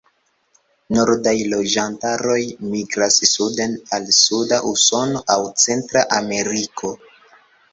Nordaj loĝantaroj migras suden al suda Usono aŭ Centra Ameriko.